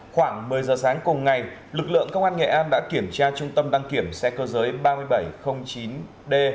khoảng một mươi giờ sáng cùng ngày lực lượng công an nghệ an đã kiểm tra trung tâm đăng kiểm xe cơ giới ba nghìn bảy trăm linh chín d